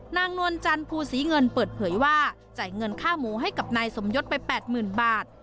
นวลจันทร์ภูศรีเงินเปิดเผยว่าจ่ายเงินค่าหมูให้กับนายสมยศไป๘๐๐๐บาท